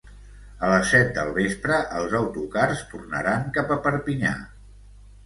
A les set del vespre els autocars tornaran cap a Perpinyà.